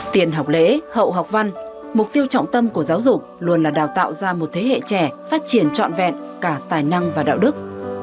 tiền học lễ hậu học văn mục tiêu trọng tâm của giáo dục luôn là đào tạo ra một thế hệ trẻ phát triển trọn vẹn cả tài năng và đạo đức